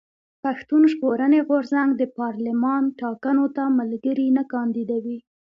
پښتون ژغورني غورځنګ د پارلېمان ټاکنو ته ملګري نه کانديدوي.